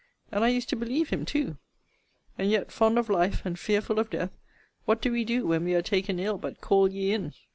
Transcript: And I used to believe him too and yet, fond of life, and fearful of death, what do we do, when we are taken ill, but call ye in?